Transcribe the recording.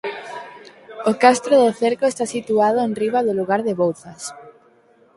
O castro do Cerco está situado enriba do lugar de Bouzas.